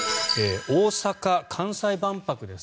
大阪・関西万博です。